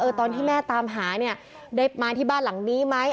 ตอนที่แม่ตามหาเนี่ยได้มาที่บ้านหลังนี้ไหม